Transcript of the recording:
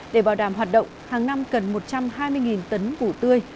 để bảo đảm hoạt động hàng năm cần một trăm hai mươi tấn củ tươi